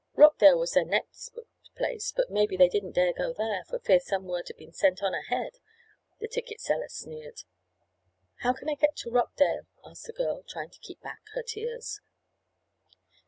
"Rockdale was their next booked place, but maybe they didn't dare go there, for fear some word had been sent on ahead," the ticket seller sneered. "How can I get to Rockdale?" asked the girl, trying to keep back her tears.